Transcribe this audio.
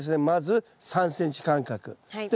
まず３ｃｍ間隔。